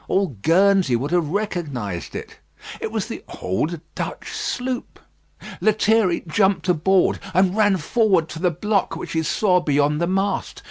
All Guernsey would have recognised it. It was the old Dutch sloop. Lethierry jumped aboard; and ran forward to the block which he saw beyond the mast.